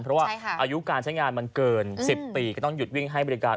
เพราะว่าอายุการใช้งานมันเกิน๑๐ปีก็ต้องหยุดวิ่งให้บริการ